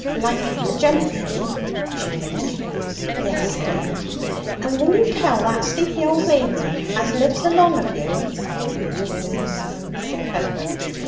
'Like the gentry?' she finished. 'Yes, dear.' 'And will you tell that sleepy old lady as lives along, of you ' ('Oh, poor mother!' thought Edward.)